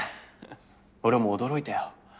俺も驚いたよ